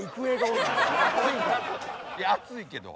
暑いけど。